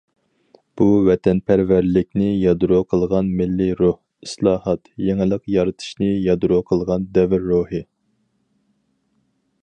بۇ ۋەتەنپەرۋەرلىكنى يادرو قىلغان مىللىي روھ، ئىسلاھات، يېڭىلىق يارىتىشنى يادرو قىلغان دەۋر روھى.